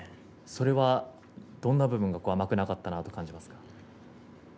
それはどんな部分が甘くなかったと感じますか。